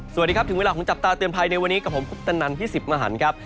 สวัสดีครับถึงเวลาของจับตาเตือนภัยในวันนี้กับผมคุปตนันพี่สิทธิ์มหันครับ